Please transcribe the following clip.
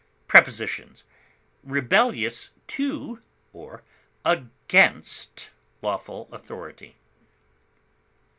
Prepositions: Rebellious to or against lawful authority.